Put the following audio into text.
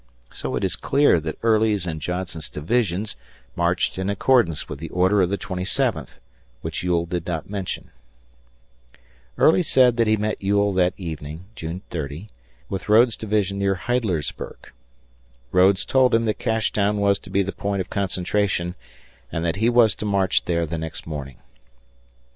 So it is clear that Early's and Johnson's divisions marched in accordance with the order of the twenty seventh, which Ewell did not mention. Early said he met Ewell that evening (June 30) with Rodes's division near Heidlersburg. Rodes told him that Cashtown was to be the point of concentration and that he was to march there the next morning.